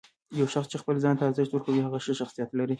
یو شخص چې خپل ځان ته ارزښت ورکوي، هغه ښه شخصیت لري.